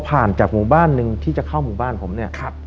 จากหมู่บ้านหนึ่งที่จะเข้าหมู่บ้านผมเนี่ย